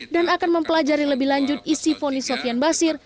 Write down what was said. dan akan mempelajari lebih lanjut isi poni sofian basir